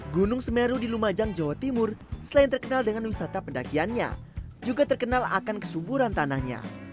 gunung semeru di lumajang jawa timur selain terkenal dengan wisata pendakiannya juga terkenal akan kesuburan tanahnya